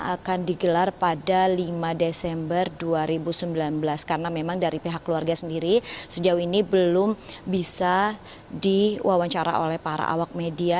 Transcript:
akan digelar pada lima desember dua ribu sembilan belas karena memang dari pihak keluarga sendiri sejauh ini belum bisa diwawancara oleh para awak media